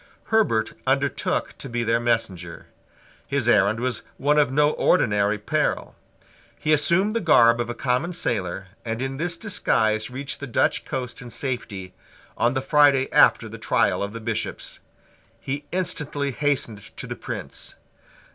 Herbert undertook to be their messenger. His errand was one of no ordinary peril. He assumed the garb of a common sailor, and in this disguise reached the Dutch coast in safety, on the Friday after the trial of the Bishops. He instantly hastened to the Prince.